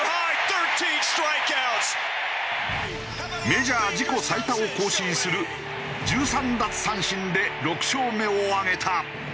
メジャー自己最多を更新する１３奪三振で６勝目を挙げた。